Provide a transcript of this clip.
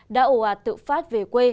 đã ủ ạt tự phát về quê